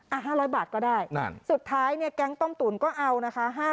๕๐๐บาทก็ได้นั่นสุดท้ายเนี่ยแก๊งต้มตุ๋นก็เอานะคะ